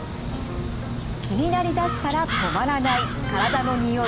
気になりだしたら止まらない体のにおい。